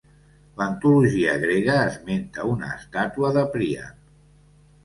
L'antologia grega esmenta una estàtua de Príap.